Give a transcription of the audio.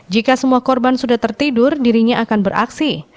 jika semua korban sudah tertidur dirinya akan beraksi